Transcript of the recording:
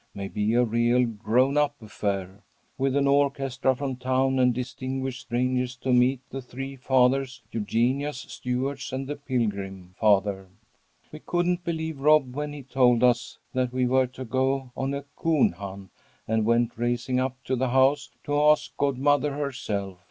Maybe a real grown up affair, with an orchestra from town and distinguished strangers to meet the three fathers, Eugenia's, Stuart's and the Pilgrim F. "We couldn't believe Rob when he told us that we were to go on a coon hunt, and went racing up to the house to ask godmother herself.